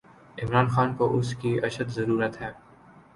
عمران خان کواس کی اشدضرورت ہے۔